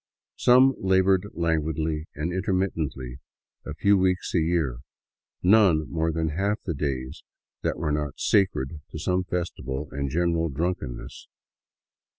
Some labored languidly and intermittently a few weeks a year, none more than half the days that were not sacred to some festival and general drunkenness.